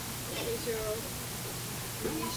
Vedle grafiky se začal zabývat i malbou.